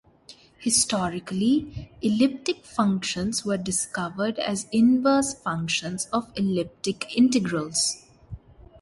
Historically, elliptic functions were discovered as inverse functions of elliptic integrals.